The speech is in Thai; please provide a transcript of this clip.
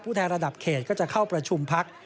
แทนระดับเขตก็จะเข้าประชุมพัก